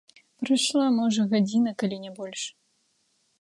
Прайшла, можа, гадзіна, калі не больш.